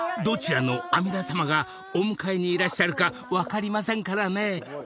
［どちらの阿弥陀様がお迎えにいらっしゃるか分かりませんからね］